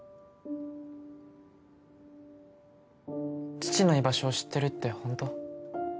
父の居場所を知ってるって本当？